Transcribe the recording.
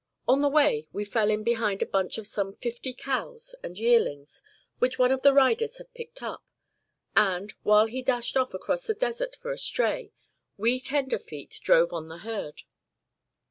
On the way we fell in behind a bunch of some fifty cows and yearlings which one of the riders had picked up; and, while he dashed off across the desert for a 'stray,' we tenderfeet drove on the herd.